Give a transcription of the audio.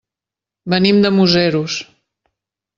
Venim de Museros.